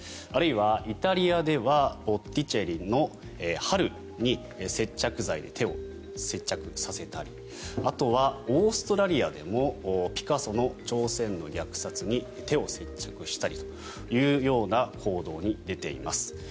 あるいはイタリアではボッティチェリの「春」に接着剤で手を接着させたりあとはオーストラリアでもピカソの「朝鮮の虐殺」に手を接着したりというような行動に出ています。